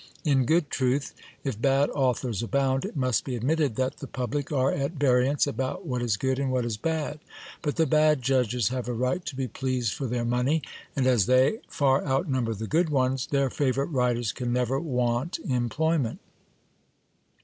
In good truth, if bad authors abound, it must be admitted that the public are at variance about what is good and what is bad : but the bad judges have a right to be pleased for their money ; and as they far outnumber the good ones, their favourite writers can never want employment.